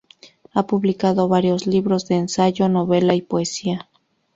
Ha publicado varios libros de ensayo, novela y poesía.